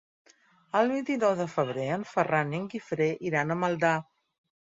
El vint-i-nou de febrer en Ferran i en Guifré iran a Maldà.